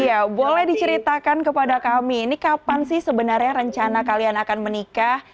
iya boleh diceritakan kepada kami ini kapan sih sebenarnya rencana kalian akan menikah